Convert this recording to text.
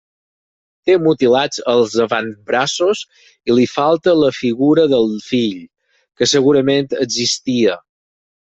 Té mutilats els avantbraços i li falta la figura del fill, que segurament existia.